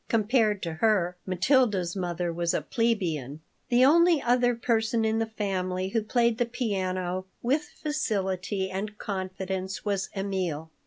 Compared to her, Matilda's mother was a plebeian The only other person in the family who played the piano with facility and confidence was Emil.